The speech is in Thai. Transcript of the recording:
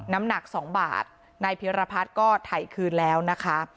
น้ำหนัก๒บาทนายพิรพัฒน์ก็ถ่ายคืนแล้วนะคะ